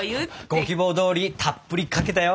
ご希望どおりたっぷりかけたよ！